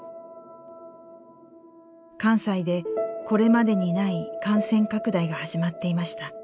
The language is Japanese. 関西でこれまでにない感染拡大が始まっていました。